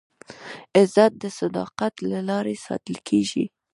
عزت د صداقت له لارې ساتل کېږي.